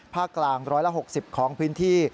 ภาคกลางฝนตกร้อยละ๖๐ของพื้นที่